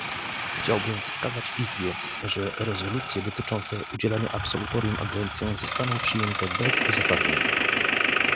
Chciałbym wskazać Izbie, że rezolucje dotyczące udzielenia absolutorium agencjom zostaną przyjęte bez uzasadnień